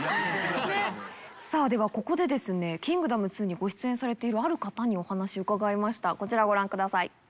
ではここでですね『キングダム２』にご出演されているある方にお話伺いましたこちらご覧ください。